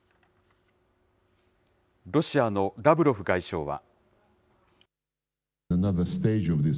ロシアのラブロフ外相は。